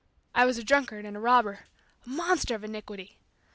I was a drunkard and a robber a monster of iniquity!